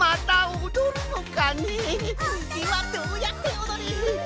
つぎはどうやっておどる？